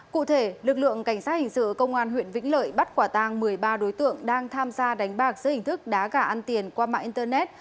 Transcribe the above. cụ thể lực lượng cảnh sát hình sự công an huyện vĩnh lợi bắt quả tang một mươi ba đối tượng đang tham gia đánh bạc dưới hình thức đá gà ăn tiền qua mạng internet